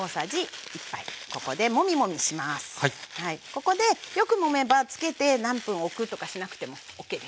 ここでよくもめば浸けて何分置くとかしなくてもＯＫです。